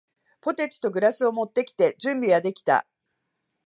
ポテチとグラスを持ってきて、準備はできた。